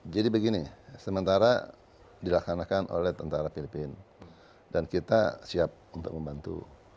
jadi begini sementara dilakukan oleh tentara filipina dan kita siap untuk membantu